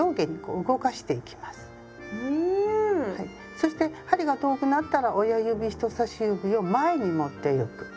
そして針が遠くなったら親指人さし指を前に持ってゆく。